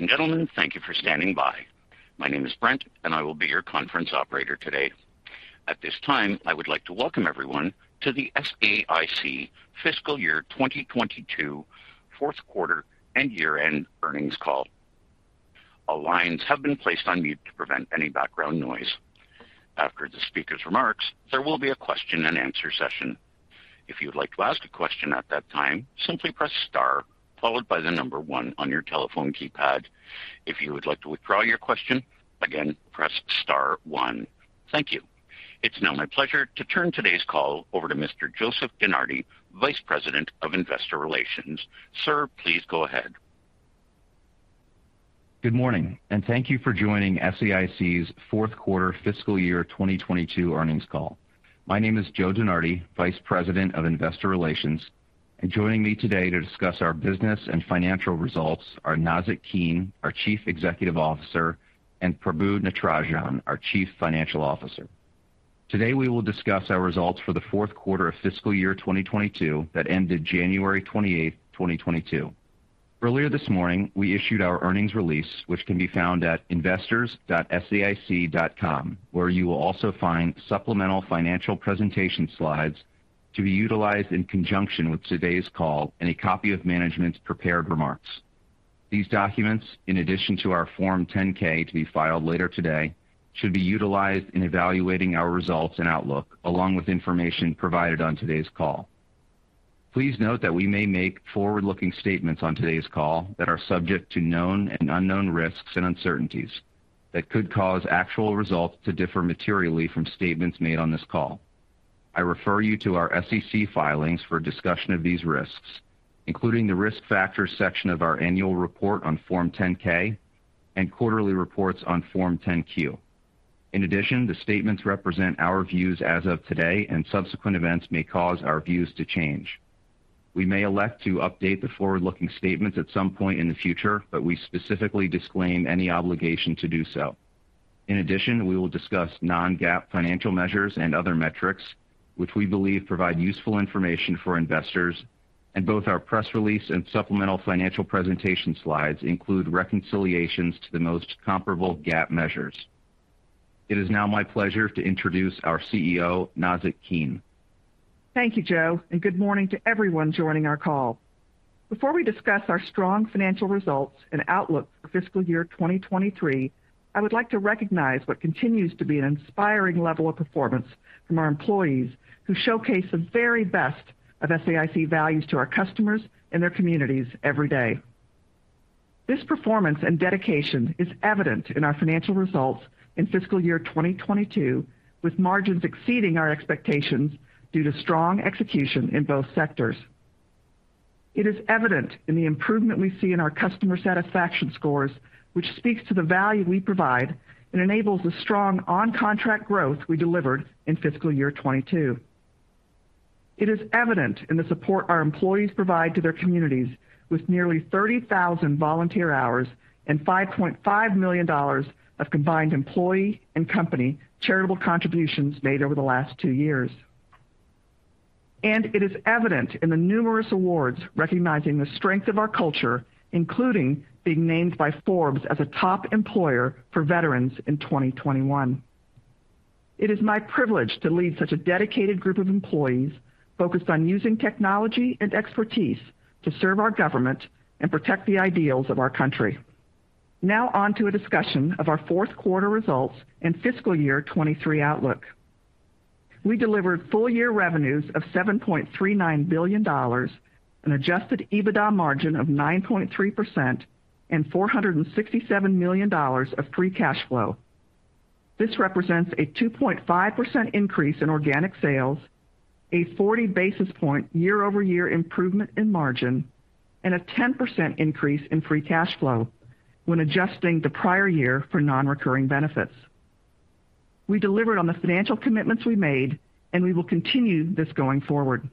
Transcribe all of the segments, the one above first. Ladies and gentlemen, thank you for standing by. My name is Brent, and I will be your conference operator today. At this time, I would like to welcome everyone to the SAIC Fiscal Year 2022 Q4 and year-end earnings call. All lines have been placed on mute to prevent any background noise. After the speaker's remarks, there will be a question-and-answer session. If you would like to ask a question at that time, simply press star followed by the number one on your telephone keypad. If you would like to withdraw your question, again, press star one. Thank you. It's now my pleasure to turn today's call over to Mr. Joseph DeNardi, Vice President of Investor Relations. Sir, please go ahead. Good morning and thank you for joining SAIC's Q4 fiscal year 2022 earnings call. My name is Joe DeNardi, Vice President of Investor Relations. Joining me today to discuss our business and financial results are Nazzic Keene, our Chief Executive Officer, and Prabu Natarajan, our Chief Financial Officer. Today, we will discuss our results for the Q4 of fiscal year 2022 that ended 28 January 2022. Earlier this morning, we issued our earnings release, which can be found at investors.saic.com, where you will also find supplemental financial presentation slides to be utilized in conjunction with today's call and a copy of management's prepared remarks. These documents, in addition to our Form 10-K to be filed later today, should be utilized in evaluating our results and outlook, along with information provided on today's call. Please note that we may make forward-looking statements on today's call that are subject to known and unknown risks and uncertainties that could cause actual results to differ materially from statements made on this call. I refer you to our SEC filings for a discussion of these risks, including the Risk Factors section of our Annual Report on Form 10-K and quarterly reports on Form 10-Q. In addition, the statements represent our views as of today, and subsequent events may cause our views to change. We may elect to update the forward-looking statements at some point in the future, but we specifically disclaim any obligation to do so. In addition, we will discuss non-GAAP financial measures and other metrics which we believe provide useful information for investors, and both our press release and supplemental financial presentation slides include reconciliations to the most comparable GAAP measures. It is now my pleasure to introduce our CEO, Nazzic Keene. Thank you, Joe, and good morning to everyone joining our call. Before we discuss our strong financial results and outlook for fiscal year 2023, I would like to recognize what continues to be an inspiring level of performance from our employees who showcase the very best of SAIC values to our customers and their communities every day. This performance and dedication is evident in our financial results in fiscal year 2022, with margins exceeding our expectations due to strong execution in both sectors. It is evident in the improvement we see in our customer satisfaction scores, which speaks to the value we provide and enables the strong on-contract growth we delivered in fiscal year 2022. It is evident in the support our employees provide to their communities with nearly 30,000 volunteer hours and $5.5 million of combined employee and company charitable contributions made over the last two years. It is evident in the numerous awards recognizing the strength of our culture, including being named by Forbes as a top employer for veterans in 2021. It is my privilege to lead such a dedicated group of employees focused on using technology and expertise to serve our government and protect the ideals of our country. Now on to a discussion of our Q4 results and fiscal year 2023 outlook. We delivered full-year revenues of $7.39 billion, an adjusted EBITDA margin of 9.3%, and $467 million of free cash flow. This represents a 2.5% increase in organic sales, a 40 basis point year-over-year improvement in margin, and a 10% increase in free cash flow when adjusting the prior year for non-recurring benefits. We delivered on the financial commitments we made, and we will continue this going forward.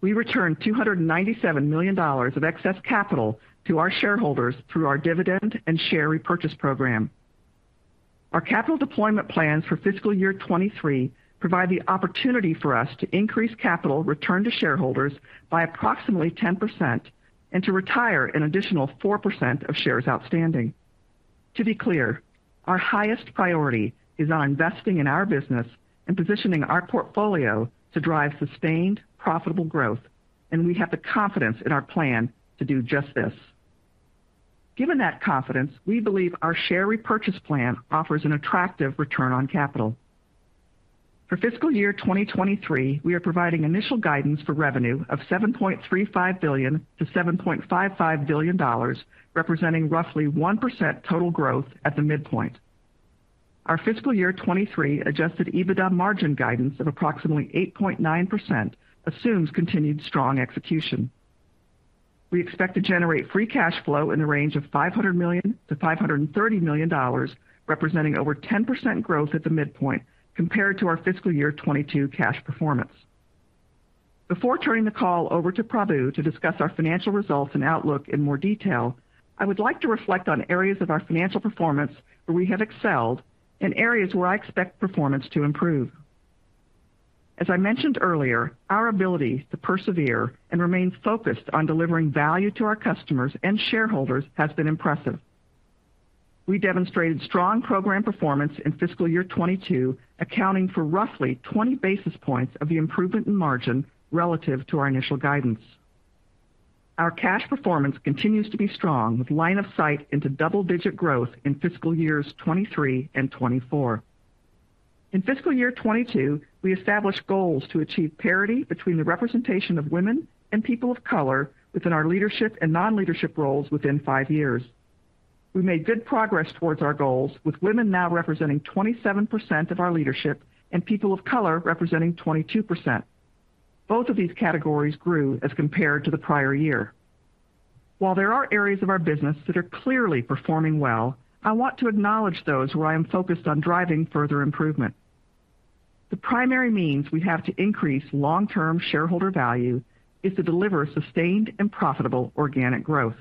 We returned $297 million of excess capital to our shareholders through our dividend and share repurchase program. Our capital deployment plans for fiscal year 2023 provide the opportunity for us to increase capital return to shareholders by approximately 10% and to retire an additional 4% of shares outstanding. To be clear, our highest priority is on investing in our business and positioning our portfolio to drive sustained, profitable growth, and we have the confidence in our plan to do just this. Given that confidence, we believe our share repurchase plan offers an attractive return on capital. For fiscal year 2023, we are providing initial guidance for revenue of $7.35 to 7.55 billion, representing roughly 1% total growth at the midpoint. Our fiscal year 2023 adjusted EBITDA margin guidance of approximately 8.9% assumes continued strong execution. We expect to generate free cash flow in the range of $500 to 530 million, representing over 10% growth at the midpoint compared to our fiscal year 2022 cash performance. Before turning the call over to Prabu to discuss our financial results and outlook in more detail, I would like to reflect on areas of our financial performance where we have excelled and areas where I expect performance to improve. As I mentioned earlier, our ability to persevere and remain focused on delivering value to our customers and shareholders has been impressive. We demonstrated strong program performance in fiscal year 2022, accounting for roughly 20 basis points of the improvement in margin relative to our initial guidance. Our cash performance continues to be strong with line of sight into double-digit growth in fiscal years 2023 and 2024. In fiscal year 2022, we established goals to achieve parity between the representation of women and people of color within our leadership and non-leadership roles within 5 years. We made good progress towards our goals, with women now representing 27% of our leadership and people of color representing 22%. Both of these categories grew as compared to the prior year. While there are areas of our business that are clearly performing well, I want to acknowledge those where I am focused on driving further improvement. The primary means we have to increase long-term shareholder value is to deliver sustained and profitable organic growth.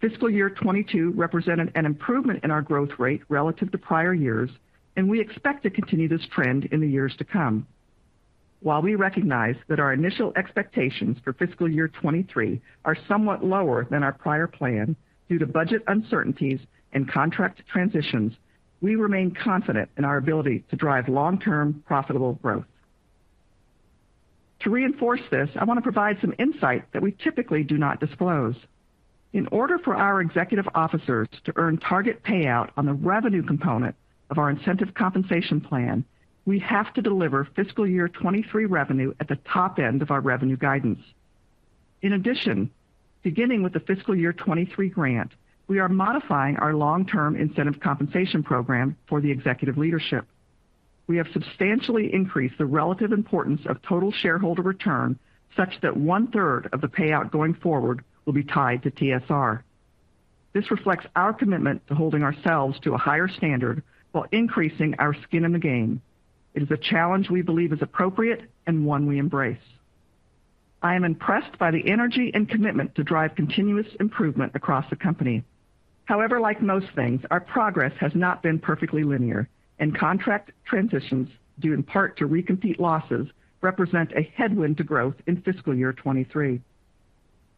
Fiscal year 2022 represented an improvement in our growth rate relative to prior years, and we expect to continue this trend in the years to come. While we recognize that our initial expectations for fiscal year 2023 are somewhat lower than our prior plan due to budget uncertainties and contract transitions, we remain confident in our ability to drive long-term profitable growth. To reinforce this, I want to provide some insight that we typically do not disclose. In order for our executive officers to earn target payout on the revenue component of our incentive compensation plan, we have to deliver fiscal year 2023 revenue at the top end of our revenue guidance. In addition, beginning with the fiscal year 2023 grant, we are modifying our long-term incentive compensation program for the executive leadership. We have substantially increased the relative importance of total shareholder return, such that one-third of the payout going forward will be tied to TSR. This reflects our commitment to holding ourselves to a higher standard while increasing our skin in the game. It is a challenge we believe is appropriate and one we embrace. I am impressed by the energy and commitment to drive continuous improvement across the company. However, like most things, our progress has not been perfectly linear, and contract transitions, due in part to recompete losses, represent a headwind to growth in fiscal year 2023.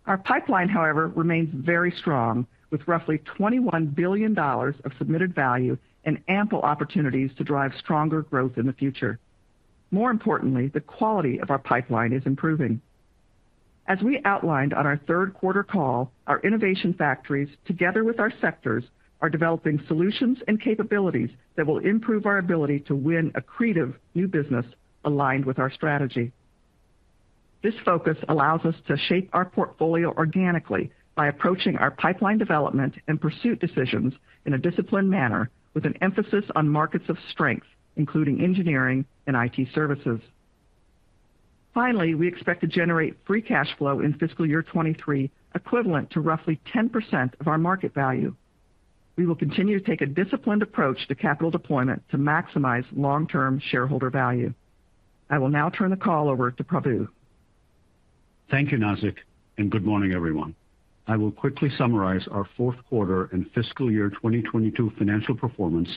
Our pipeline, however, remains very strong, with roughly $21 billion of submitted value and ample opportunities to drive stronger growth in the future. More importantly, the quality of our pipeline is improving. As we outlined on our Q3 call, our Innovation Factories, together with our sectors, are developing solutions and capabilities that will improve our ability to win accretive new business aligned with our strategy. This focus allows us to shape our portfolio organically by approaching our pipeline development and pursuit decisions in a disciplined manner with an emphasis on markets of strength, including engineering and IT services. Finally, we expect to generate free cash flow in fiscal year 2023, equivalent to roughly 10% of our market value. We will continue to take a disciplined approach to capital deployment to maximize long-term shareholder value. I will now turn the call over to Prabu. Thank you, Nazzic, and good morning, everyone. I will quickly summarize our Q4 and fiscal year 2022 financial performance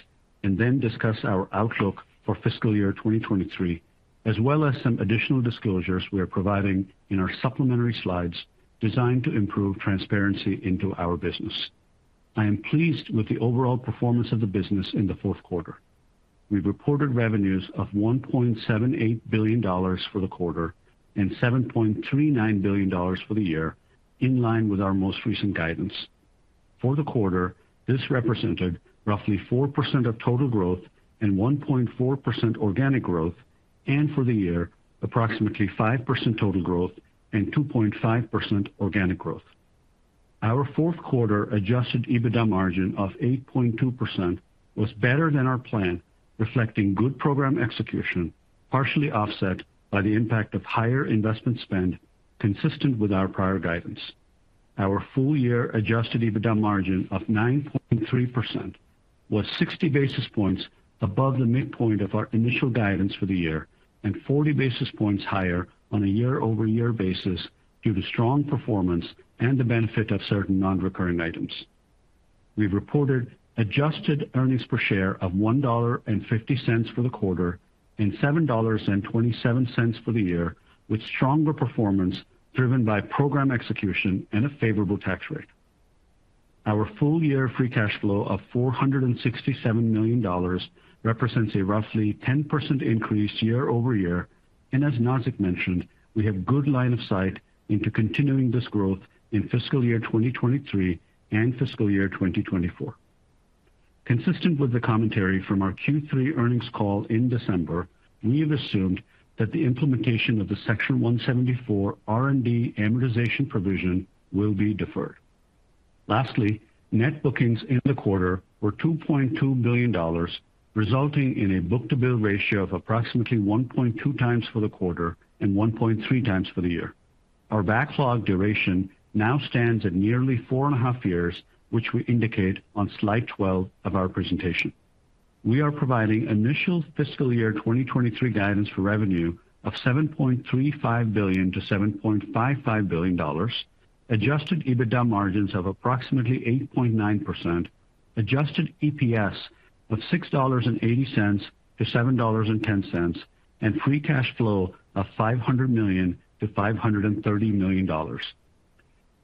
and then discuss our outlook for fiscal year 2023, as well as some additional disclosures we are providing in our supplementary slides designed to improve transparency into our business. I am pleased with the overall performance of the business in the Q4. We reported revenues of $1.78 billion for the quarter and $7.39 billion for the year, in line with our most recent guidance. For the quarter, this represented roughly 4% total growth and 1.4% organic growth, and for the year, approximately 5% total growth and 2.5% organic growth. Q4 adjusted EBITDA margin of 8.2% was better than our plan, reflecting good program execution, partially offset by the impact of higher investment spend consistent with our prior guidance. Our full year adjusted EBITDA margin of 9.3% was 60 basis points above the midpoint of our initial guidance for the year and 40 basis points higher on a year-over-year basis due to strong performance and the benefit of certain non-recurring items. We've reported adjusted earnings per share of $1.50 for the quarter and $7.27 for the year, with stronger performance driven by program execution and a favorable tax rate. Our full year free cash flow of $467 million represents a roughly 10% increase year over year. As Nazzic mentioned, we have good line of sight into continuing this growth in fiscal year 2023 and fiscal year 2024. Consistent with the commentary from our Q3 earnings call in December, we have assumed that the implementation of the Section 174 R&D amortization provision will be deferred. Lastly, net bookings in the quarter were $2.2 billion, resulting in a book-to-bill ratio of approximately 1.2 times for the quarter and 1.3 times for the year. Our backlog duration now stands at nearly 4.5 years, which we indicate on slide 12 of our presentation. We are providing initial fiscal year 2023 guidance for revenue of $7.35 to 7.55 billion, adjusted EBITDA margins of approximately 8.9%, adjusted EPS of $6.80 to 7.10 and free cash flow of $500 to 530 million.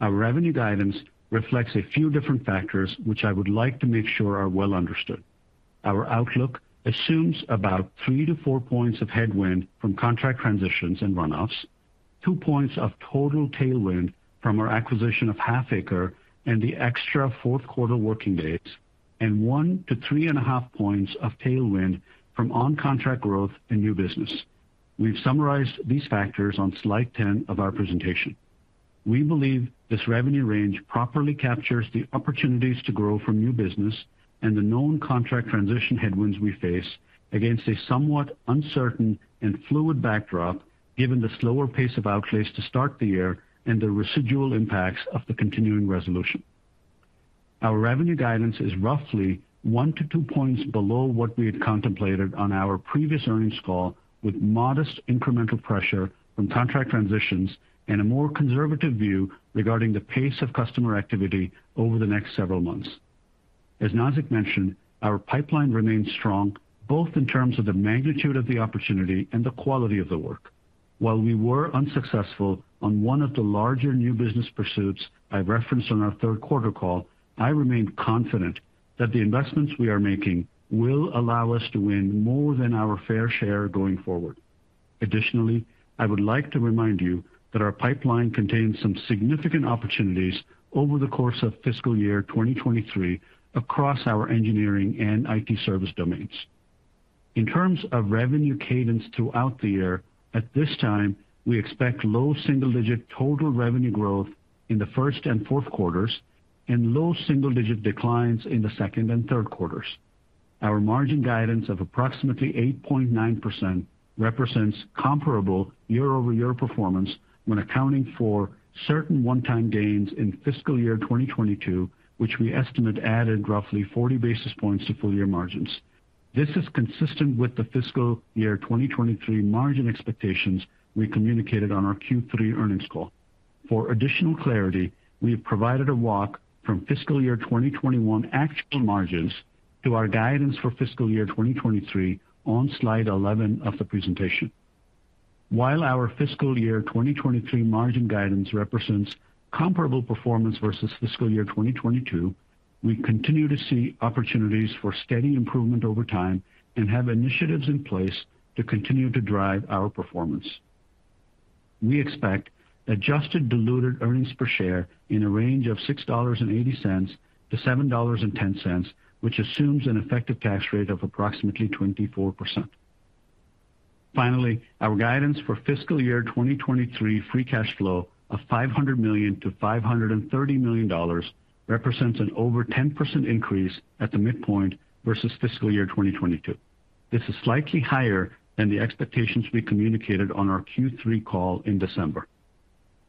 Our revenue guidance reflects a few different factors which I would like to make sure are well understood. Our outlook assumes about 3 to 4 points of headwind from contract transitions and runoffs, 2 points of total tailwind from our acquisition of Halfaker and the extra Q4 working days, and 1 to 3.5 points of tailwind from on-contract growth and new business. We've summarized these factors on slide 10 of our presentation. We believe this revenue range properly captures the opportunities to grow from new business and the known contract transition headwinds we face against a somewhat uncertain and fluid backdrop, given the slower pace of outlays to start the year and the residual impacts of the continuing resolution. Our revenue guidance is roughly 1 to 2% below what we had contemplated on our previous earnings call, with modest incremental pressure from contract transitions and a more conservative view regarding the pace of customer activity over the next several months. As Nazzic mentioned, our pipeline remains strong, both in terms of the magnitude of the opportunity and the quality of the work. While we were unsuccessful on one of the larger new business pursuits I referenced on our Q3 call, I remain confident that the investments we are making will allow us to win more than our fair share going forward. Additionally, I would like to remind you that our pipeline contains some significant opportunities over the course of fiscal year 2023 across our engineering and IT service domains. In terms of revenue cadence throughout the year, at this time, we expect low single-digit total revenue growth in the first and Q4s and low single-digit declines in the second and Q3s. Our margin guidance of approximately 8.9% represents comparable year-over-year performance when accounting for certain one-time gains in fiscal year 2022, which we estimate added roughly 40 basis points to full year margins. This is consistent with the fiscal year 2023 margin expectations we communicated on our Q3 earnings call. For additional clarity, we have provided a walk from fiscal year 2021 actual margins to our guidance for fiscal year 2023 on slide 11 of the presentation. While our fiscal year 2023 margin guidance represents comparable performance versus fiscal year 2022, we continue to see opportunities for steady improvement over time and have initiatives in place to continue to drive our performance. We expect adjusted diluted earnings per share in a range of $6.80 to 7.10, which assumes an effective tax rate of approximately 24%. Finally, our guidance for fiscal year 2023 free cash flow of $500 to 530 million represents an over 10% increase at the midpoint versus fiscal year 2022. This is slightly higher than the expectations we communicated on our Q3 call in December.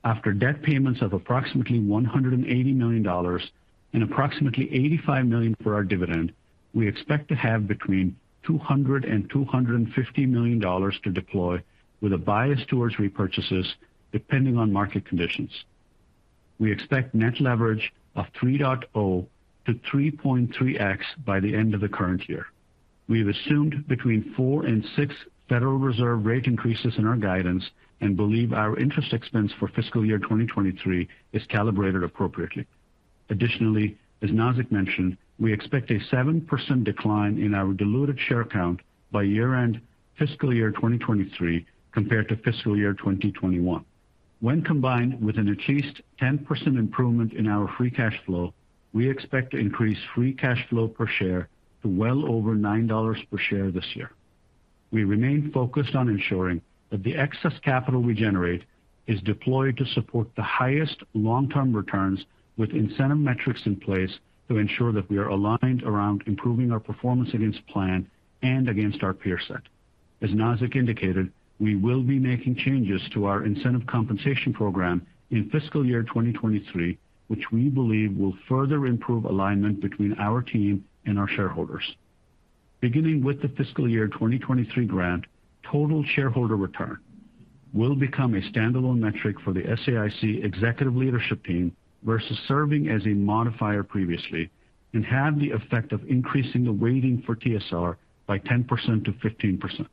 After debt payments of approximately $180 million and approximately $85 million for our dividend, we expect to have between $200 million and $250 million to deploy with a bias towards repurchases, depending on market conditions. We expect net leverage of 3.0 to 3.3x by the end of the current year. We have assumed between four and six Federal Reserve rate increases in our guidance and believe our interest expense for fiscal year 2023 is calibrated appropriately. Additionally, as Nazzic mentioned, we expect a 7% decline in our diluted share count by year-end fiscal year 2023 compared to fiscal year 2021. When combined with an at least 10% improvement in our free cash flow, we expect to increase free cash flow per share to well over $9 per share this year. We remain focused on ensuring that the excess capital we generate is deployed to support the highest long-term returns with incentive metrics in place to ensure that we are aligned around improving our performance against plan and against our peer set. As Nazzic indicated, we will be making changes to our incentive compensation program in fiscal year 2023, which we believe will further improve alignment between our team and our shareholders. Beginning with the fiscal year 2023 grant, Total Shareholder Return will become a standalone metric for the SAIC executive leadership team versus serving as a modifier previously and have the effect of increasing the weighting for TSR by 10 to 15%.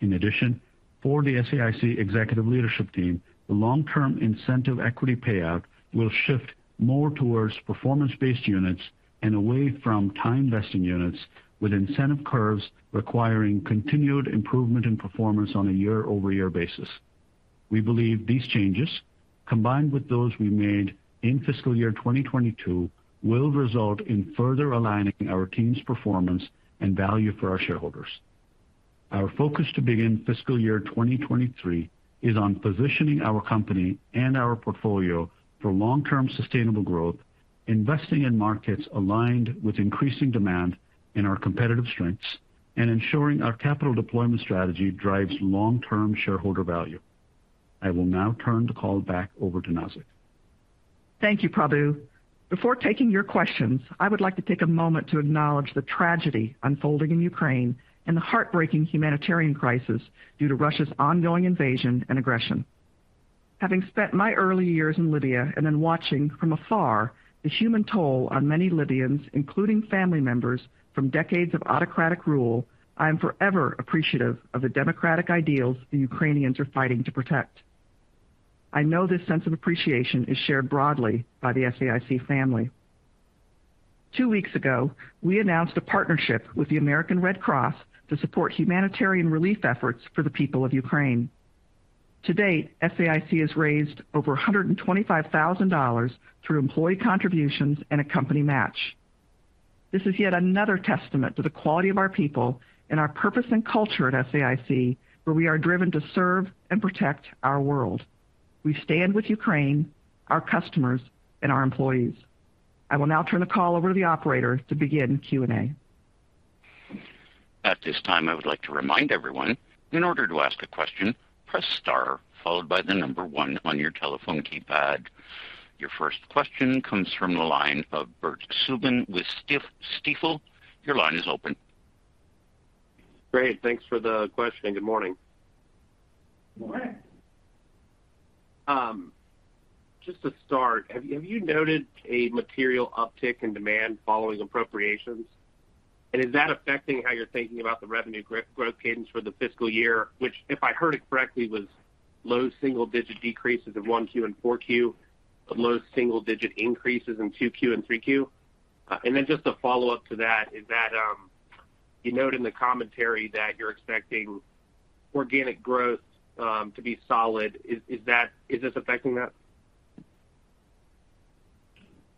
In addition, for the SAIC executive leadership team, the long-term incentive equity payout will shift more towards performance-based units and away from time vesting units with incentive curves requiring continued improvement in performance on a year-over-year basis. We believe these changes, combined with those we made in fiscal year 2022, will result in further aligning our team's performance and value for our shareholders. Our focus to begin fiscal year 2023 is on positioning our company and our portfolio for long-term sustainable growth, investing in markets aligned with increasing demand in our competitive strengths, and ensuring our capital deployment strategy drives long-term shareholder value. I will now turn the call back over to Nazzic. Thank you, Prabu. Before taking your questions, I would like to take a moment to acknowledge the tragedy unfolding in Ukraine and the heartbreaking humanitarian crisis due to Russia's ongoing invasion and aggression. Having spent my early years in Libya and then watching from afar the human toll on many Libyans, including family members from decades of autocratic rule, I am forever appreciative of the democratic ideals the Ukrainians are fighting to protect. I know this sense of appreciation is shared broadly by the SAIC family. Two weeks ago, we announced a partnership with the American Red Cross to support humanitarian relief efforts for the people of Ukraine. To date, SAIC has raised over $125,000 through employee contributions and a company match. This is yet another testament to the quality of our people and our purpose and culture at SAIC, where we are driven to serve and protect our world. We stand with Ukraine, our customers, and our employees. I will now turn the call over to the operator to begin Q&A. At this time, I would like to remind everyone, in order to ask a question, press star followed by the number one on your telephone keypad. Your first question comes from the line of Bert Subin with Stifel. Your line is open. Great. Thanks for the question. Good morning. Good morning. Just to start, have you noted a material uptick in demand following appropriations? Is that affecting how you're thinking about the revenue growth cadence for the fiscal year, which, if I heard it correctly, was low single-digit decreases in 1Q and 4Q, but low single-digit increases in 2Q and 3Q. Then just a follow-up to that, is that you note in the commentary that you're expecting organic growth to be solid. Is this affecting that?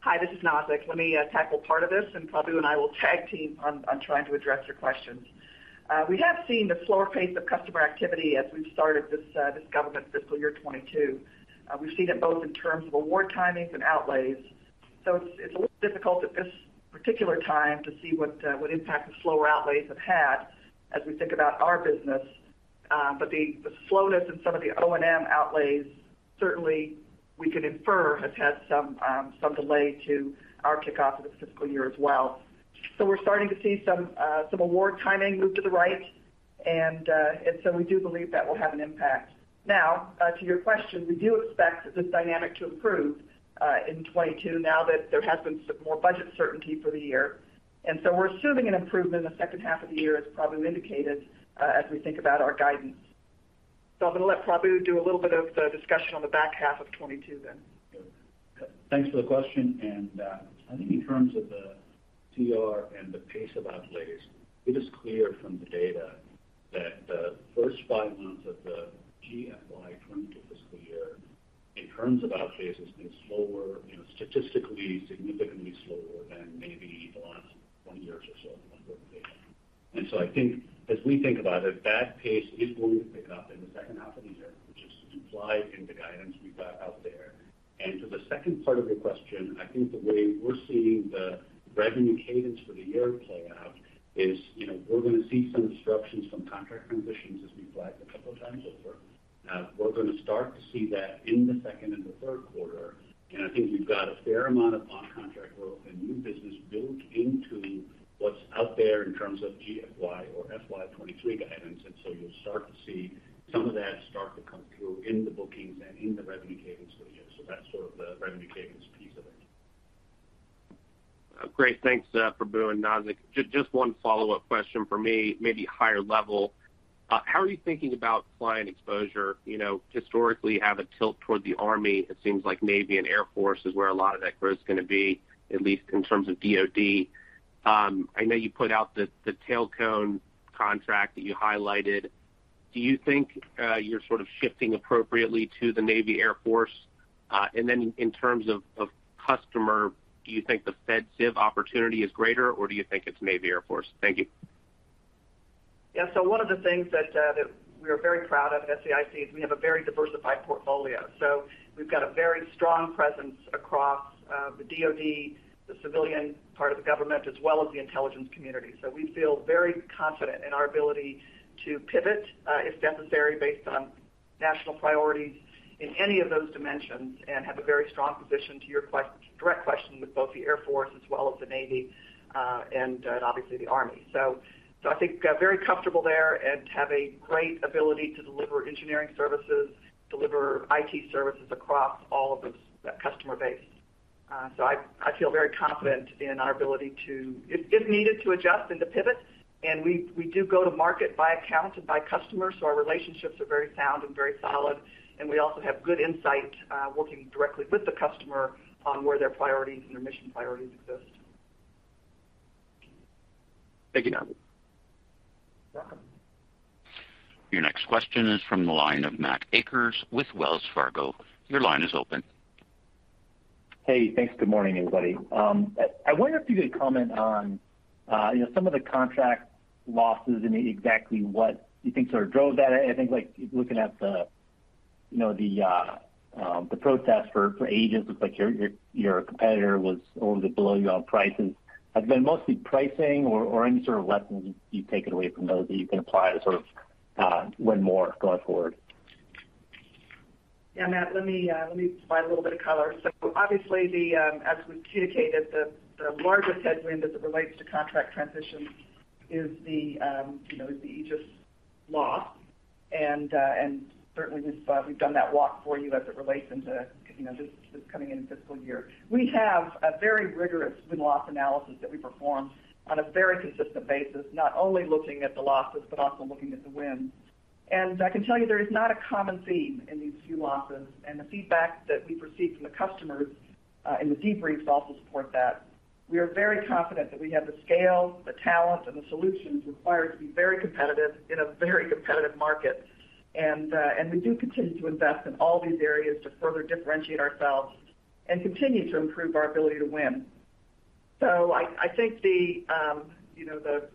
Hi, this is Nazzic. Let me tackle part of this, and Prabu and I will tag team on trying to address your questions. We have seen the slower pace of customer activity as we've started this government fiscal year 2022. We've seen it both in terms of award timings and outlays. It's a little difficult at this particular time to see what impact the slower outlays have had as we think about our business. The slowness in some of the O&M outlays, certainly we can infer, has had some delay to our kickoff of this fiscal year as well. We're starting to see some award timing move to the right. We do believe that will have an impact. Now, to your question, we do expect this dynamic to improve in 2022 now that there has been some more budget certainty for the year. We're assuming an improvement in the H2 of the year, as Prabu indicated, as we think about our guidance. I'm gonna let Prabu do a little bit of the discussion on the back half of 2022 then. Thanks for the question. I think in terms of the TR and the pace of outlays, it is clear from the data that the first five months of the GFY 2022 fiscal year, in terms of outlays, has been slower, you know, statistically significantly slower than maybe the last 20 years or so when we look at data. I think as we think about it, that pace is going to pick up in the H2 of the year, which is implied in the guidance we've got out there. To the second part of your question, I think the way we're seeing the revenue cadence for the year play out is, you know, we're gonna see some disruptions from contract transitions as we flagged a couple of times over. We're gonna start to see that in the second and the Q3. I think we've got a fair amount of on-contract growth and new business built into what's out there in terms of GFY or FY 2023 guidance. You'll start to see some of that start to come through in the bookings and in the revenue cadence for the year. That's sort of the revenue cadence piece of it. Great. Thanks, Prabu and Nazzic. Just one follow-up question from me, maybe higher level. How are you thinking about client exposure? You know, historically, you have a tilt toward the Army. It seems like Navy and Air Force is where a lot of that growth is gonna be, at least in terms of DoD. I know you put out the Tailcone contract that you highlighted. Do you think you're sort of shifting appropriately to the Navy, Air Force? And then in terms of customer, do you think the Fed-Civ opportunity is greater, or do you think it's Navy, Air Force? Thank you. Yeah. One of the things that we are very proud of at SAIC is we have a very diversified portfolio. We've got a very strong presence across, the DoD, the civilian part of the government, as well as the intelligence community. We feel very confident in our ability to pivot, if necessary, based on national priorities in any of those dimensions, and have a very strong position to your direct question with both the Air Force as well as the Navy, and, obviously, the Army. I think, very comfortable there and have a great ability to deliver engineering services, deliver IT services across all of those, that customer base. I feel very confident in our ability to, if needed, to adjust and to pivot. We do go to market by account and by customer, so our relationships are very sound and very solid. We also have good insight, working directly with the customer on where their priorities and their mission priorities exist. Thank you, Nazzic. You're welcome. Your next question is from the line of Matt Akers with Wells Fargo. Your line is open. Hey, thanks. Good morning, everybody. I wonder if you could comment on, you know, some of the contract losses and exactly what you think sort of drove that. I think, like, looking at the, you know, the protest for AEGIS, looks like your competitor was a little bit below you on pricing. Has it been mostly pricing or any sort of lessons you've taken away from those that you can apply to sort of win more going forward? Yeah, Matt, let me provide a little bit of color. So obviously, as we've communicated, the largest headwind as it relates to contract transitions is the Aegis loss. Certainly, we've done that walk for you as it relates to, you know, just coming into fiscal year. We have a very rigorous win-loss analysis that we perform on a very consistent basis, not only looking at the losses but also looking at the wins. I can tell you there is not a common theme in these few losses. The feedback that we've received from the customers in the debriefs also support that. We are very confident that we have the scale, the talent, and the solutions required to be very competitive in a very competitive market. We do continue to invest in all these areas to further differentiate ourselves and continue to improve our ability to win. I think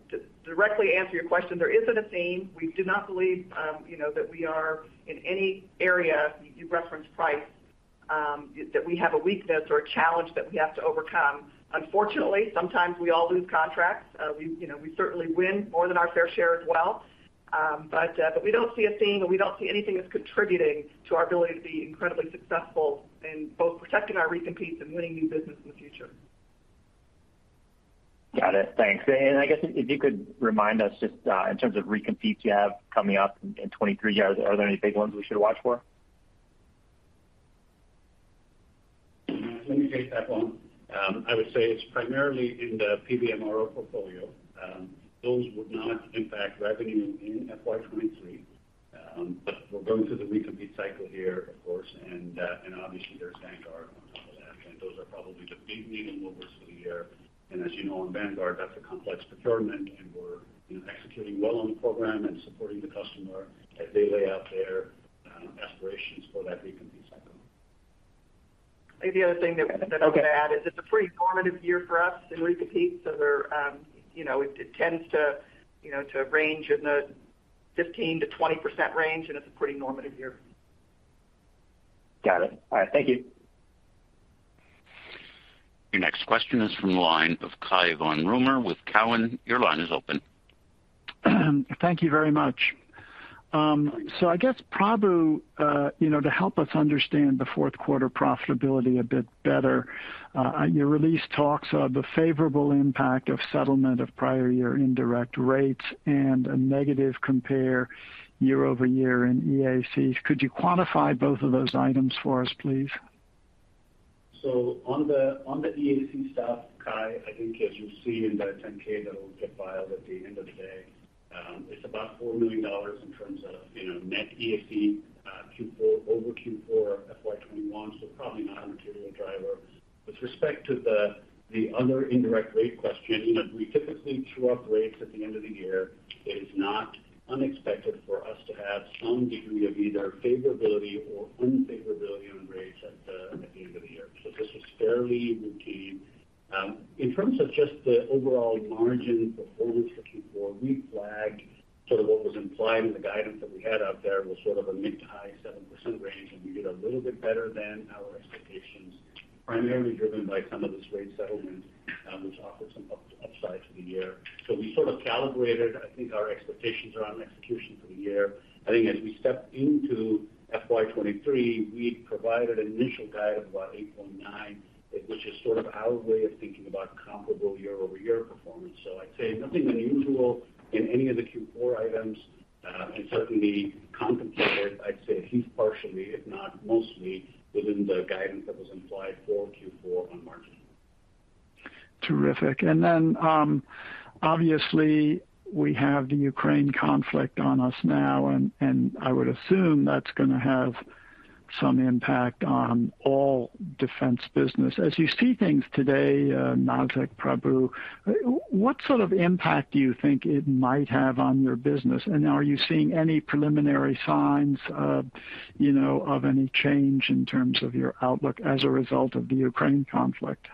to directly answer your question, there isn't a theme. We do not believe that we are in any area, you referenced price, that we have a weakness or a challenge that we have to overcome. Unfortunately, sometimes we all lose contracts. We certainly win more than our fair share as well. We don't see a theme, and we don't see anything that's contributing to our ability to be incredibly successful in both protecting our recompetes and winning new business in the future. Got it. Thanks. I guess if you could remind us just, in terms of recompetes you have coming up in 2023, are there any big ones we should watch for? Let me take that one. I would say it's primarily in the PDMRO portfolio. Those would not impact revenue in FY 2023. We're going through the recompete cycle here, of course, and obviously there's Vanguard on top of that. Those are probably the big needle movers for the year. As you know, on Vanguard, that's a complex procurement, and we're, you know, executing well on the program and supporting the customer as they lay out their aspirations for that recompete cycle. I think the other thing that. Okay. That I'll add is it's a pretty formative year for us in recompete. We're, you know, it tends to, you know, to range in the 15 to 20% range, and it's a pretty normative year. Got it. All right, thank you. Your next question is from the line of Cai von Rumohr with Cowen. Your line is open. Thank you very much. I guess, Prabu, you know, to help us understand the Q4 profitability a bit better, your release talks of the favorable impact of settlement of prior year indirect rates and a negative compare year-over-year in EACs. Could you quantify both of those items for us, please? On the EAC stuff, Kai, I think as you'll see in the 10-K that will get filed at the end of the day, it's about $4 million in terms of, you know, net EAC, Q4 over Q4 FY 2021, probably not a material driver. With respect to the other indirect rate question, you know, we typically true-up rates at the end of the year. It is not unexpected for us to have some degree of either favorability or unfavorability on rates at the end of the year. This is fairly routine. In terms of just the overall margin performance for Q4, we flagged sort of what was implied in the guidance that we had out there was sort of a mid- to high-7% range, and we did a little bit better than our expectations, primarily driven by some of this rate settlement, which offered some upside for the year. We sort of calibrated, I think, our expectations around execution for the year. I think as we step into FY 2023, we provided initial guidance about 8.9%, which is sort of our way of thinking about comparable year-over-year performance. I'd say nothing unusual in any of the Q4 items, and certainly compensated, I'd say at least partially, if not mostly, within the guidance that was implied for Q4 on margin. Terrific. Obviously, we have the Ukraine conflict on us now and I would assume that's gonna have some impact on all defense business. As you see things today, Nazzic, Prabu, what sort of impact do you think it might have on your business? Are you seeing any preliminary signs of, you know, of any change in terms of your outlook as a result of the Ukraine conflict?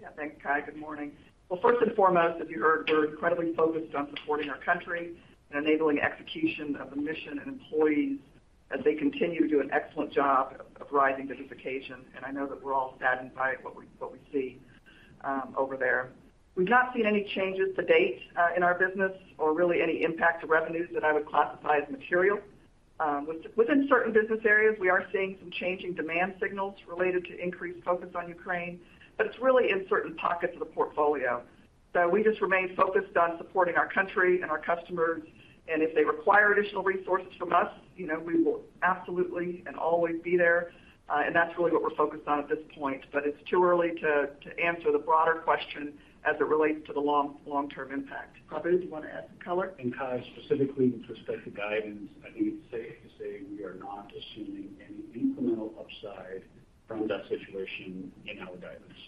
Yeah. Thanks, Cai. Good morning. Well, first and foremost, as you heard, we're incredibly focused on supporting our country and enabling execution of the mission and employees as they continue to do an excellent job of rising to the occasion. I know that we're all saddened by what we see over there. We've not seen any changes to date in our business or really any impact to revenues that I would classify as material. Within certain business areas, we are seeing some changing demand signals related to increased focus on Ukraine, but it's really in certain pockets of the portfolio. We just remain focused on supporting our country and our customers, and if they require additional resources from us, you know, we will absolutely and always be there. That's really what we're focused on at this point. It's too early to answer the broader question as it relates to the long-term impact. Prabu, do you want to add some color? Cai, specifically with respect to guidance, I think it's safe to say we are not assuming any incremental upside from that situation in our guidance.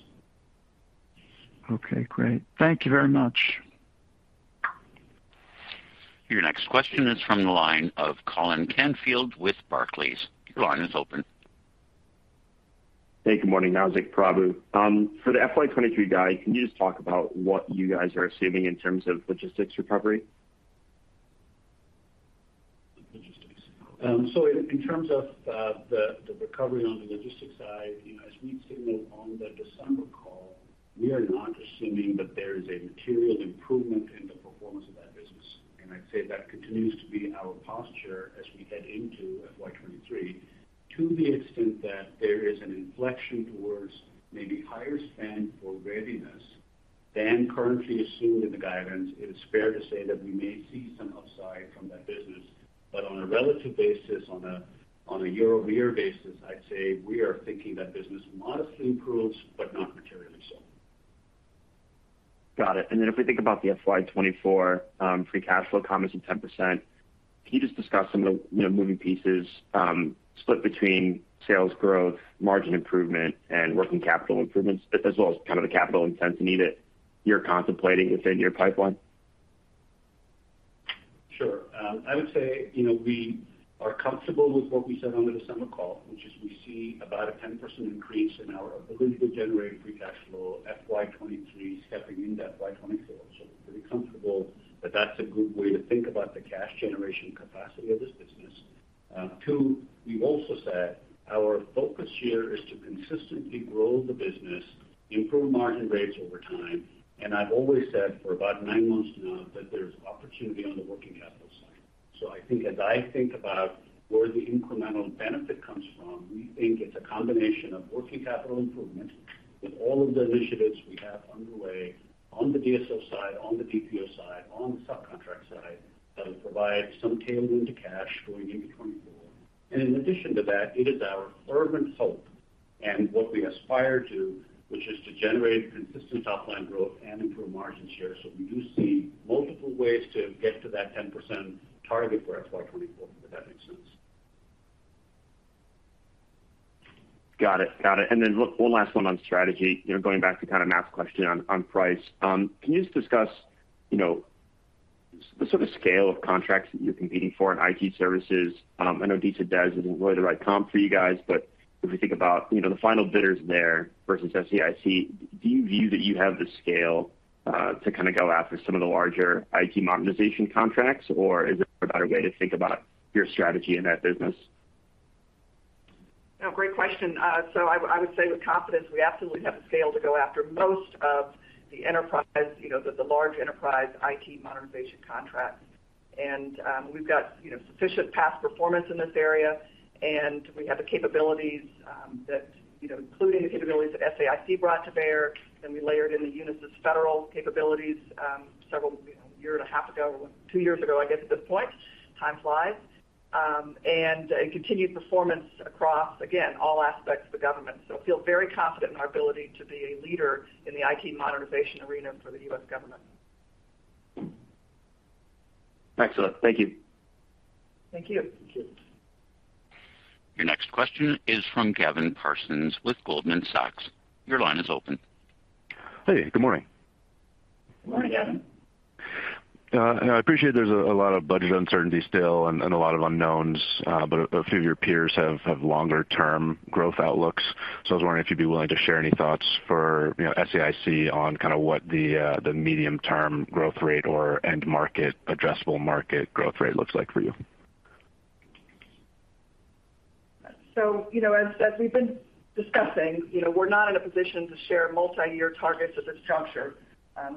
Okay, great. Thank you very much. Your next question is from the line of Colin Canfield with Barclays. Your line is open. Hey, good morning, Nazzic, Prabu. For the FY 2023 guide, can you just talk about what you guys are assuming in terms of logistics recovery? Logistics. In terms of the recovery on the logistics side, you know, as we'd signaled on the December call, we are not assuming that there is a material improvement in performance of that business. I'd say that continues to be our posture as we head into FY 2023. To the extent that there is an inflection towards maybe higher spend for readiness than currently assumed in the guidance, it is fair to say that we may see some upside from that business. On a relative basis, on a year-over-year basis, I'd say we are thinking that business modestly improves, but not materially so. Got it. If we think about the FY 2024 free cash flow comments at 10%, can you just discuss some of the, you know, moving pieces split between sales growth, margin improvement, and working capital improvements, as well as kind of the capital intensity that you're contemplating within your pipeline? Sure. I would say, you know, we are comfortable with what we said on the December call, which is we see about a 10% increase in our ability to generate free cash flow FY 2023, stepping into FY 2024. Pretty comfortable that that's a good way to think about the cash generation capacity of this business. Two, we've also said our focus here is to consistently grow the business, improve margin rates over time, and I've always said for about nine months now that there's opportunity on the working capital side. I think as I think about where the incremental benefit comes from, we think it's a combination of working capital improvement with all of the initiatives we have underway on the DSO side, on the DPO side, on the subcontract side, that will provide some tailwind to cash going into 2024. In addition to that, it is our fervent hope and what we aspire to, which is to generate consistent top-line growth and improve margin shares. We do see multiple ways to get to that 10% target for FY 2024, if that makes sense. Got it. Look, one last one on strategy. You know, going back to kind of Matt's question on price. Can you just discuss, you know, the sort of scale of contracts that you're competing for in IT services? I know DISA DEOS isn't really the right comp for you guys, but if we think about, you know, the final bidders there versus SAIC, do you view that you have the scale to kind a go after some of the larger IT modernization contracts, or is there a better way to think about your strategy in that business? No, great question. I would say with confidence, we absolutely have the scale to go after most of the enterprise, you know, the large enterprise IT modernization contracts. We've got, you know, sufficient past performance in this area, and we have the capabilities, that, you know, including the capabilities that SAIC brought to bear, then we layered in the Unisys Federal capabilities, several, you know, a year and a half ago, two years ago, I guess, at this point. Time flies. A continued performance across, again, all aspects of the government. Feel very confident in our ability to be a leader in the IT modernization arena for the U.S. government. Excellent. Thank you. Thank you. Thank you. Your next question is from Gavin Parsons with Goldman Sachs. Your line is open. Hey, good morning. Good morning, Gavin. I appreciate there's a lot of budget uncertainty still and a lot of unknowns, but a few of your peers have longer term growth outlooks. I was wondering if you'd be willing to share any thoughts for, you know, SAIC on kind a what the medium-term growth rate or end market, addressable market growth rate looks like for you. You know, as we've been discussing, you know, we're not in a position to share multi-year targets at this juncture.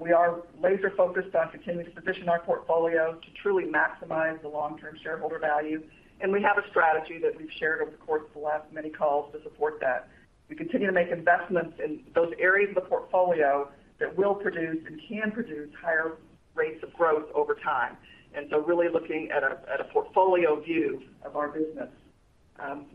We are laser focused on continuing to position our portfolio to truly maximize the long-term shareholder value, and we have a strategy that we've shared over the course of the last many calls to support that. We continue to make investments in those areas of the portfolio that will produce and can produce higher rates of growth over time, really looking at a portfolio view of our business.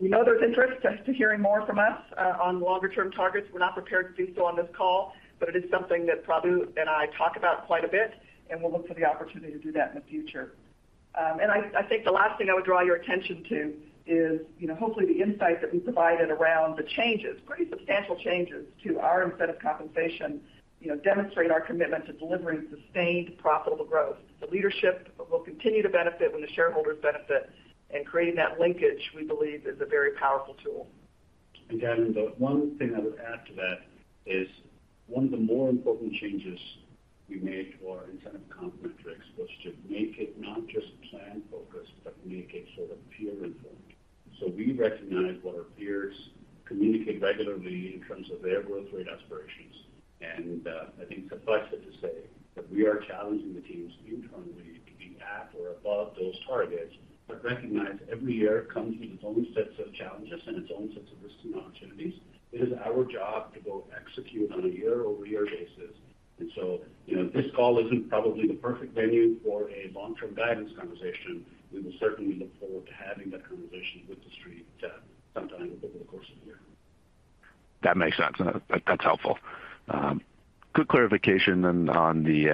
We know there's interest as to hearing more from us on longer-term targets. We're not prepared to do so on this call, but it is something that Prabu and I talk about quite a bit, and we'll look for the opportunity to do that in the future. I think the last thing I would draw your attention to is, you know, hopefully the insight that we provided around the changes, pretty substantial changes to our incentive compensation, you know, demonstrate our commitment to delivering sustained profitable growth. The leadership will continue to benefit when the shareholders benefit, and creating that linkage, we believe, is a very powerful tool. Gavin, the one thing I would add to that is one of the more important changes we made to our incentive comp metrics was to make it not just plan-focused, but make it sort of peer-informed. We recognize what our peers communicate regularly in terms of their growth rate aspirations. I think suffice it to say that we are challenging the teams internally to be at or above those targets, but recognize every year comes with its own sets of challenges and its own sets of risks and opportunities. It is our job to both execute on a year-over-year basis. You know, this call isn't probably the perfect venue for a long-term guidance conversation. We will certainly look forward to having that conversation with the street sometime over the course of the year. That makes sense. That's helpful. Quick clarification then on the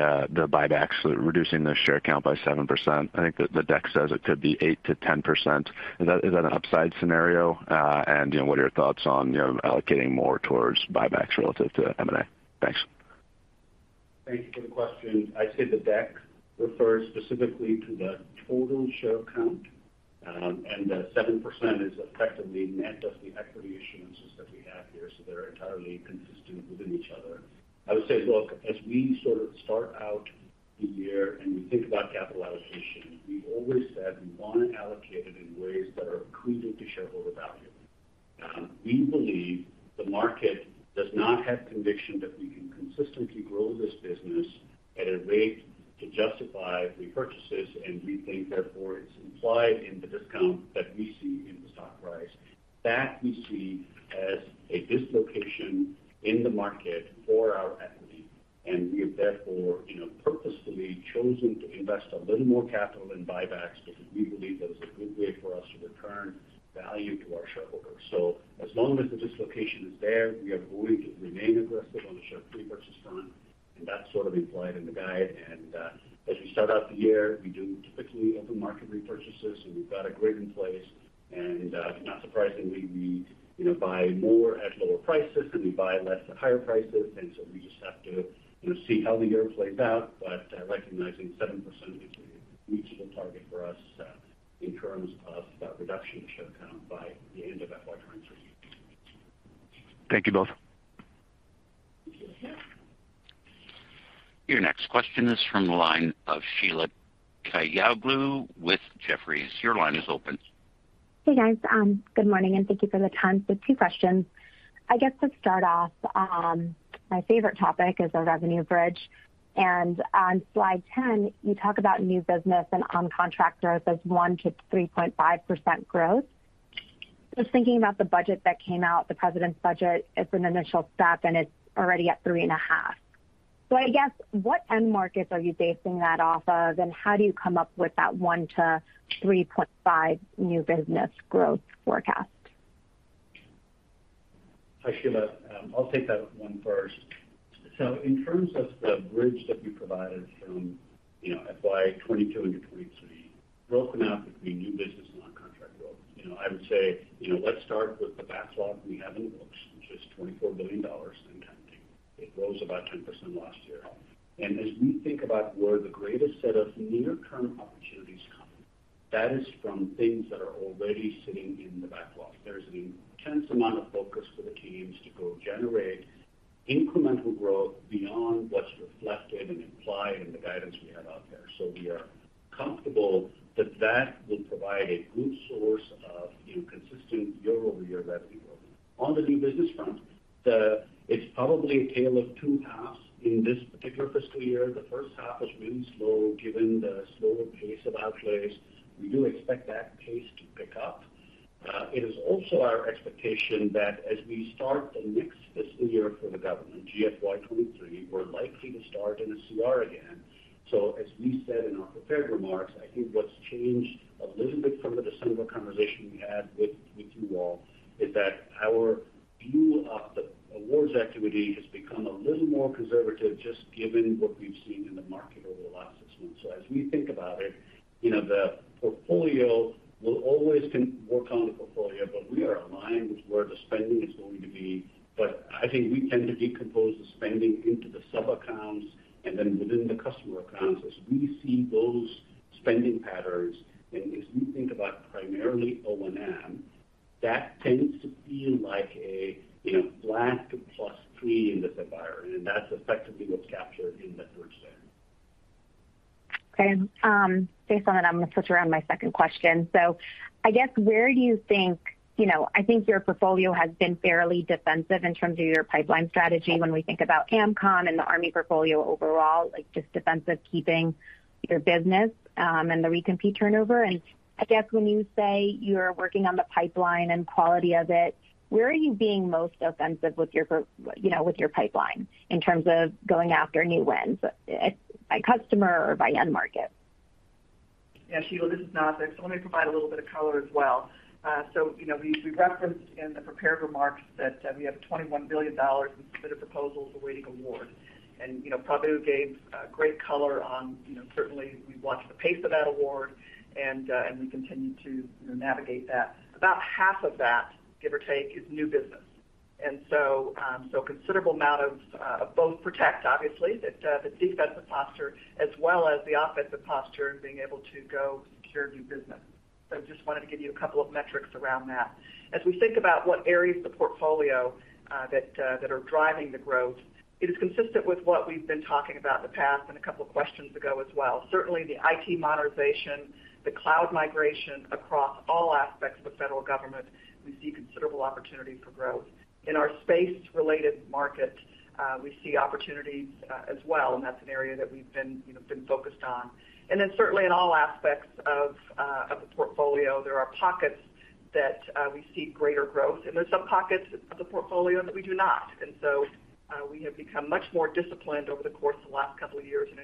buybacks, reducing the share count by 7%. I think the deck says it could be 8%-10%. Is that an upside scenario? You know, what are your thoughts on, you know, allocating more towards buybacks relative to M&A? Thanks. Thank you for the question. I'd say the deck refers specifically to the total share count, and the 7% is effectively net of the equity issuances that we have here, so they're entirely consistent with each other. I would say, look, as we sort of start out the year and we think about capital allocation, we've always said we wanna allocate it in ways that are accretive to shareholder value. We believe the market does not have conviction that we can consistently grow this business at a rate to justify repurchases, and we think therefore it's implied in the discount that we see in the stock price. That we see as a dislocation in the market for our equity, and we have therefore, you know, purposefully chosen to invest a little more capital in buybacks because we believe that is a good way for us to return value to our shareholders. As long as the dislocation is there, we are going to remain aggressive on the share repurchase front, and that's sort of implied in the guide. As we start out the year, we do typically open market repurchases, and we've got a grid in place. Not surprisingly, we, you know, buy more at lower prices than we buy less at higher prices. We just have to, you know, see how the year plays out. Recognizing 7% is a reasonable target for us in terms of reduction of share count by the end of FY 2023. Thank you both. Your next question is from the line of Sheila Kahyaoglu with Jefferies. Your line is open. Hey, guys. Good morning and thank you for the time. Two questions. I guess to start off, my favorite topic is the revenue bridge. On slide 10, you talk about new business and on-contract growth as 1 to 3.5% growth. Just thinking about the budget that came out, the president's budget, it's an initial step, and it's already at 3.5. I guess, what end markets are you basing that off of, and how do you come up with that 1 to 3.5 new business growth forecast? Hi, Sheila. I'll take that one first. In terms of the bridge that we provided from, you know, FY 2022 into 2023, broken out between new business and on-contract growth. You know, I would say, you know, let's start with the backlog we have in the books, which is $24 billion and counting. It rose about 10% last year. As we think about where the greatest set of near-term opportunities come, that is from things that are already sitting in the backlog. There's an intense amount of focus for the teams to go generate incremental growth beyond what's reflected and implied in the guidance we have out there. We are comfortable that that will provide a good source of, you know, consistent year-over-year revenue growth. On the new business front, it's probably a tale of two halves in this particular fiscal year. The H1 was really slow, given the slower pace of outlays. We do expect that pace to pick up. It is also our expectation that as we start the next fiscal year for the government, GFY 2023, we're likely to start in a CR again. As we said in our prepared remarks, I think what's changed a little bit from the December conversation we had with you all is that our view of the awards activity has become a little more conservative, just given what we've seen in the market over the last 6 months. As we think about it, you know, the portfolio will always work on the portfolio, but we are aligned with where the spending is going to be. I think we tend to decompose the spending into the sub-accounts and then within the customer accounts as we see those spending patterns. As we think about primarily O&M, that tends to feel like a, you know, flat to +3% in the environment, and that's effectively what's captured in the third stand. Okay. Based on that, I'm gonna switch around my second question. I guess where do you think, you know, I think your portfolio has been fairly defensive in terms of your pipeline strategy when we think about AMCOM and the Army portfolio overall, like, just defensive keeping your business, and the recompete turnover. I guess when you say you're working on the pipeline and quality of it, where are you being most offensive with your, you know, with your pipeline in terms of going after new wins, by customer or by end market? Yeah, Sheila, this is Nazak. Let me provide a little bit of color as well. You know, we referenced in the prepared remarks that we have $21 billion in submitted proposals awaiting award. You know, Prabu gave great color on, you know, certainly we watch the pace of that award, and we continue to navigate that. About half of that, give or take, is new business. Considerable amount of both protect obviously, the defensive posture as well as the offensive posture and being able to go secure new business. Just wanted to give you a couple of metrics around that. As we think about what areas of the portfolio that are driving the growth, it is consistent with what we've been talking about in the past and a couple of questions ago as well. Certainly the IT modernization, the cloud migration across all aspects of the federal government, we see considerable opportunity for growth. In our space-related market, we see opportunities as well, and that's an area that we've been focused on. Certainly in all aspects of the portfolio, there are pockets that we see greater growth, and there's some pockets of the portfolio that we do not. We have become much more disciplined over the course of the last couple of years in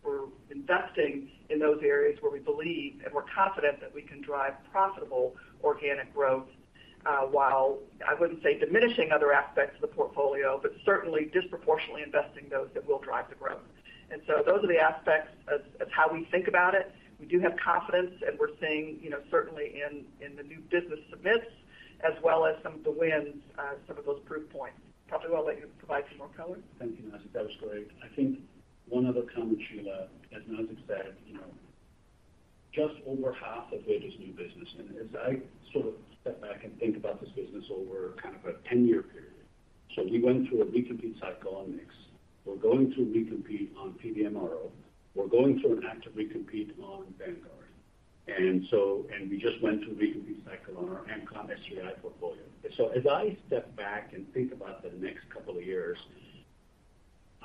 ensuring that we're investing in those areas where we believe and we're confident that we can drive profitable organic growth, while I wouldn't say diminishing other aspects of the portfolio, but certainly disproportionately investing those that will drive the growth. Those are the aspects of how we think about it. We do have confidence, and we're seeing, you know, certainly in the new business submissions as well as some of the wins, some of those proof points. Prabu, I'll let you provide some more color. Thank you, Nazzic. That was great. I think one other comment, Sheila, as Nazzic said, you know, just over half of it is new business. As I sort of step back and think about this business over kind of a 10-year period. We went through a recompete cycle on mix. We're going through recompete on PDMRO. We're going through an active recompete on Vanguard. We just went through a recompete cycle on our AMCOM S3I portfolio. As I step back and think about the next couple of years,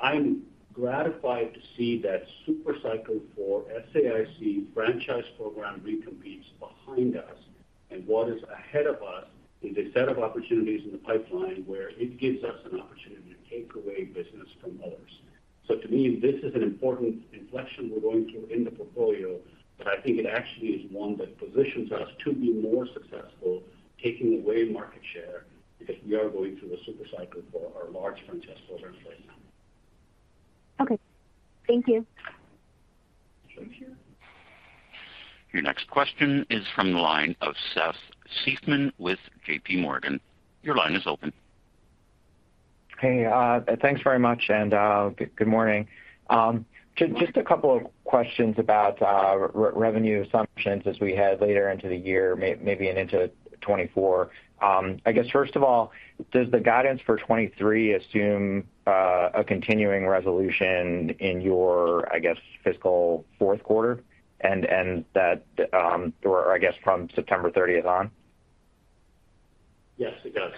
I'm gratified to see that super cycle for SAIC franchise program recompetes behind us. What is ahead of us is a set of opportunities in the pipeline where it gives us an opportunity to take away business from others. To me, this is an important inflection we're going through in the portfolio, but I think it actually is one that positions us to be more successful taking away market share because we are going through a super cycle for our large franchise programs right now. Okay, thank you. Thank you. Your next question is from the line of Seth Seifman with JPMorgan. Your line is open. Hey, thanks very much. Good morning. Just a couple of questions about revenue assumptions as we head later into the year, maybe and into 2024. I guess, first of all, does the guidance for 2023 assume a continuing resolution in your, I guess, fiscal Q4 and that, or I guess from September 30 on? Yes, it does.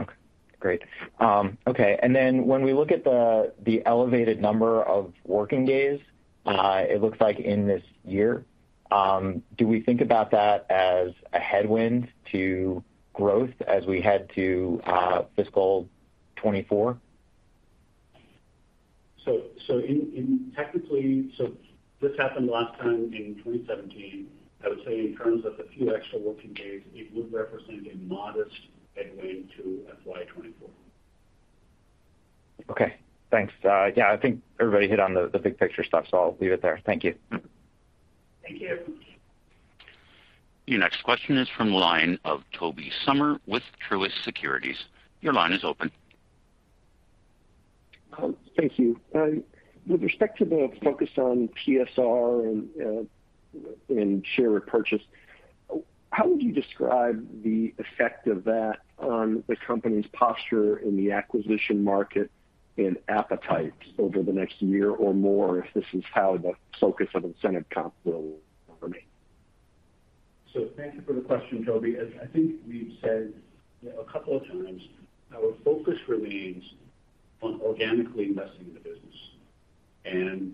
Okay, great. Okay. When we look at the elevated number of working days, it looks like in this year, do we think about that as a headwind to growth as we head to fiscal 2024? This happened last time in 2017. I would say in terms of the few extra working days, it would represent a modest headwind to FY 2024. Okay, thanks. Yeah, I think everybody hit on the big picture stuff, so I'll leave it there. Thank you. Thank you. Your next question is from the line of Tobey Sommer with Truist Securities. Your line is open. Thank you. With respect to the focus on TSR and share repurchase, how would you describe the effect of that on the company's posture in the acquisition market and appetite over the next year or more, if this is how the focus of incentive comp will remain? Thank you for the question, Toby. As I think we've said a couple of times, our focus remains on organically investing in the business.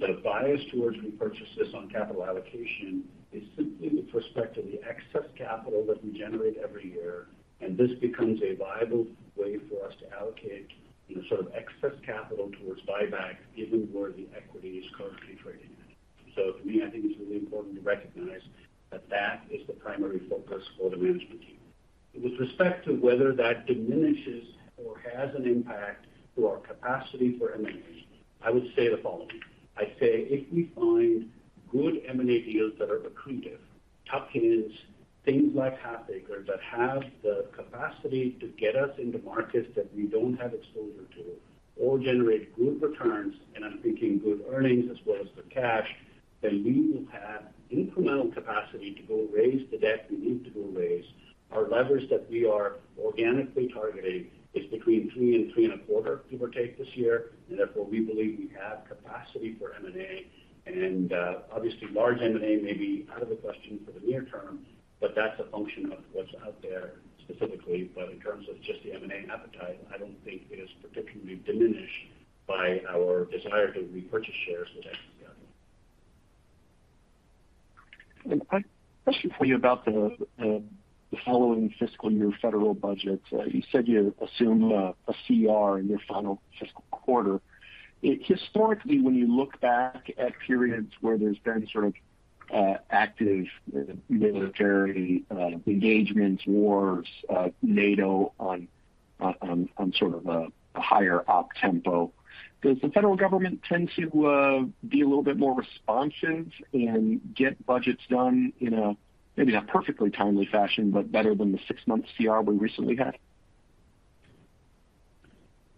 The bias towards repurchases on capital allocation is simply with respect to the excess capital that we generate every year, and this becomes a viable way for us to allocate the sort of excess capital towards buyback given where the equity is currently trading at. To me, I think it's really important to recognize that that is the primary focus for the management team. With respect to whether that diminishes or has an impact to our capacity for M&A, I would say the following. I'd say if we find good M&A deals that are accretive, such as things like Halfaker that have the capacity to get us into markets that we don't have exposure to or generate good returns, and I'm thinking good earnings as well as the cash, maybe not perfectly timely fashion, but better than the six-month CR we recently had?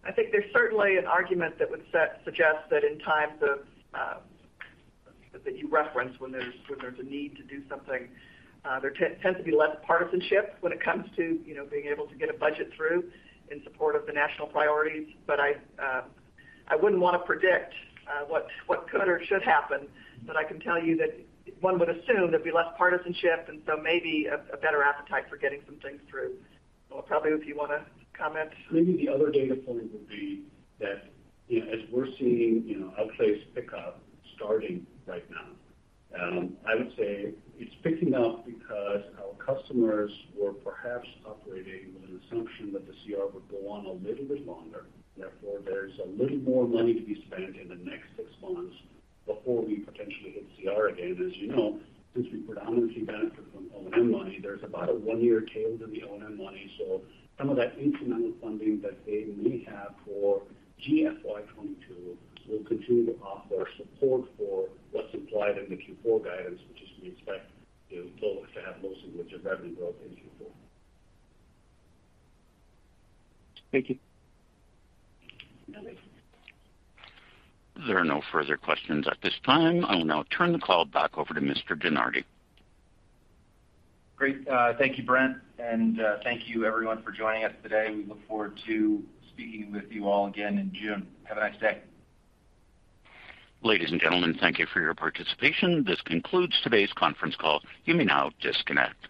I think there's certainly an argument that would suggest that in times of that you reference when there's a need to do something, there tends to be less partisanship when it comes to, you know, being able to get a budget through in support of the national priorities. I wouldn't want to predict what could or should happen. I can tell you that one would assume there'd be less partisanship, and so maybe a better appetite for getting some things through. Paul, probably if you wanna comment. Maybe the other data point would be that, you know, as we're seeing, you know, outlays pick up starting right now. I would say it's picking up because our customers were perhaps operating with an assumption that the CR would go on a little bit longer. Therefore, there's a little more money to be spent in the next six months before we potentially hit CR again. As you know, since we predominantly benefit from O&M money, there's about a one-year tail to the O&M money. Some of that incremental funding that they may have for GFY 2022 will continue to offer support for what's implied in the Q4 guidance, which is we expect to have most of it to revenue growth in Q4. Thank you. Nothing. There are no further questions at this time. I will now turn the call back over to Mr. DeNardi. Great. Thank you, Brent, and thank you everyone for joining us today. We look forward to speaking with you all again in June. Have a nice day. Ladies and gentlemen, thank you for your participation. This concludes today's conference call. You may now disconnect.